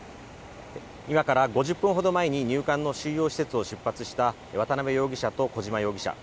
今から５０分ほど前に入管の収容施設を出発した渡辺容疑者と小島容疑者。